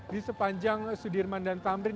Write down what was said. di sepanjang sudirman dan tamrin